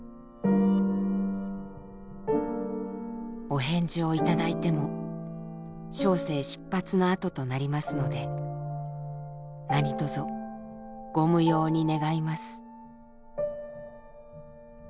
「お返事を頂いても小生出発の後となりますので何卒御無用に願ひます」。